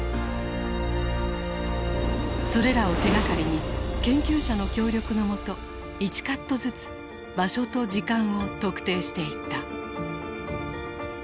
それらを手がかりに研究者の協力の下１カットずつ場所と時間を特定していった。